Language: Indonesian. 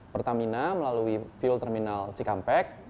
pertamina melalui fuel terminal cikampek